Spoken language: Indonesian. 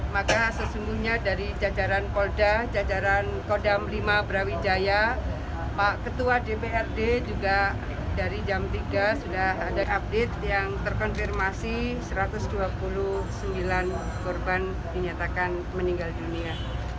maka sesungguhnya dari jajaran polda jajaran kodam lima brawijaya pak ketua dprd juga dari jam tiga sudah ada update yang terkonfirmasi satu ratus dua puluh sembilan korban dinyatakan meninggal dunia